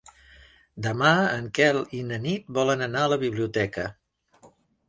Demà en Quel i na Nit volen anar a la biblioteca.